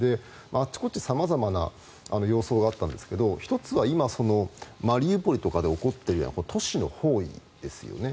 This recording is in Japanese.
あちこち様々な様相があったんですが１つはマリウポリで起こっているような都市の包囲ですよね。